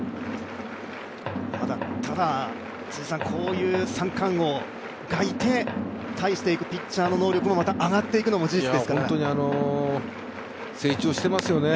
ただ辻さん、こういう三冠王がいて対していくピッチャーの能力も上がっていくのもまた事実ですからね。